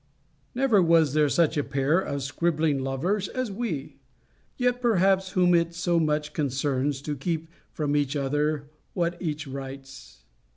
] Never was there such a pair of scribbling lovers as we; yet perhaps whom it so much concerns to keep from each other what each writes.